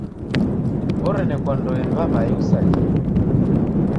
Orenekwandoe ni w'aw'ae usaghie.